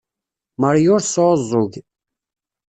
Marie ur tesɛuẓẓug.